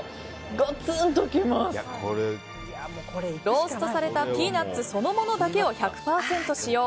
ローストされたピーナッツそのものだけを１００％使用。